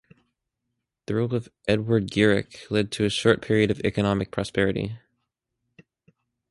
The rule of Edward Gierek led to a short period of economic prosperity.